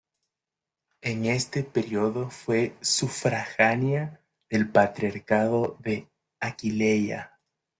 En este periodo fue sufragánea del patriarcado de Aquileia.